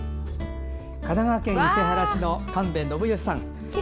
神奈川県伊勢原市の神戸信義さん。